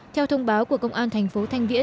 theo thông báo của công an tp th